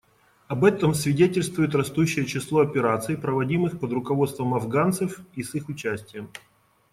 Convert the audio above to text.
Об этом свидетельствует растущее число операций, проводимых под руководством афганцев и с их участием.